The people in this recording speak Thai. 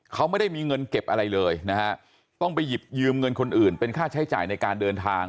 เขาไม่ได้มีเงินเก็บอะไรเลยนะฮะต้องไปหยิบยืมเงินคนอื่นเป็นค่าใช้จ่ายในการเดินทาง